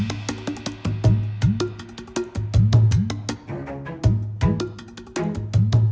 aduh petir kejar amat